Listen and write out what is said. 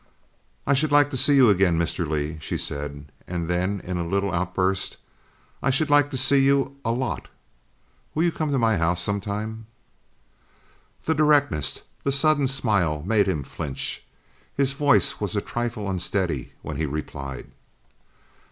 "I should like to see you again, Mr. Lee," she said, and then in a little outburst, "I should like to see you a lot! Will you come to my house sometime?" The directness, the sudden smile, made him flinch. His voice was a trifle unsteady when he replied.